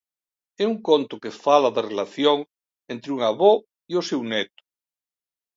É un conto que fala da relación entre un avó e o seu neto.